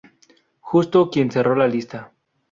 Justo, quien cerró la lista.